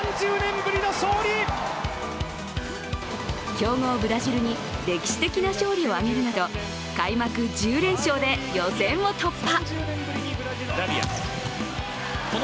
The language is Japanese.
強豪ブラジルに歴史的な勝利を挙げるなど開幕１０連勝で予選を突破。